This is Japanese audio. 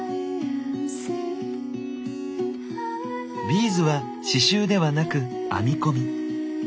ビーズは刺しゅうではなく「編み込み」。